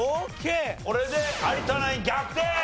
これで有田ナイン逆転！